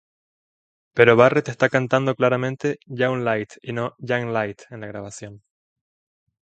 Pero Barrett está cantando claramente "young light", y no "yang light" en la grabación.